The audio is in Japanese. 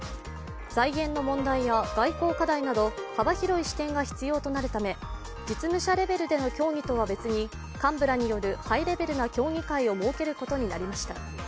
財源の問題や外交課題など幅広い視点が必要となるため実務者レベルでの協議とは別に、幹部らによるハイレベルな協議会を設けることになりました。